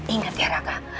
ingat ya raka